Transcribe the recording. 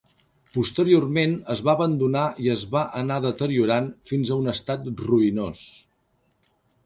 Posteriorment es va abandonar i es va anar deteriorant fins a un estat ruïnós.